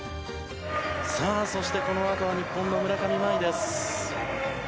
そしてこのあとは日本の村上茉愛です。